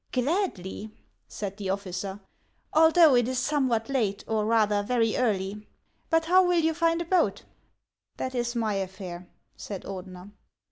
" Gladly," said the officer, " although it is somewhat late, or rather very early. But how will you find a boat ?" 64 HANS OF ICELAND. " That is my affair," said Ordener.